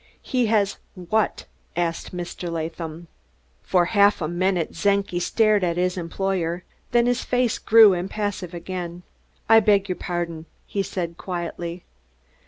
"He has what?" asked Mr. Latham. For half a minute Czenki stared at his employer; then his face grew impassive again. "I beg your pardon," he said quietly.